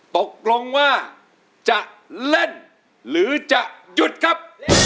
ตกลงว่าจะเล่นหรือจะหยุดครับ